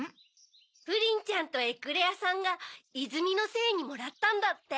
プリンちゃんとエクレアさんがいずみのせいにもらったんだって。